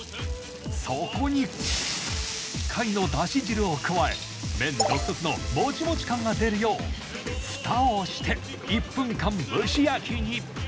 そこに貝のだし汁を加え麺独特のモチモチ感が出るよう蓋をして１分間蒸し焼きに。